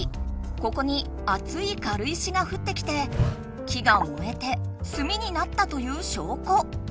ここにあついかる石がふってきて木が燃えて炭になったという証拠。